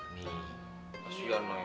masya allah ya tuhan